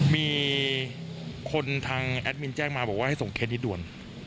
มีคนทางแอดมินแจ้งมาบอกว่าให้ส่งเคสนี้ด่วน